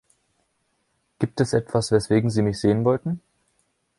Gibt es etwas, weswegen Sie mich sehen wollten?